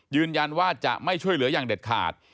ยืนยันว่าจะไม่ช่วยเหลืออย่างเด็ดขาด